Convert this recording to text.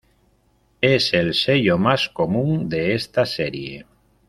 Es el sello más común de esta serie.